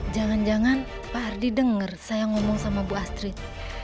jangan jangan pak hardi dengar saya ngomong sama bu astrid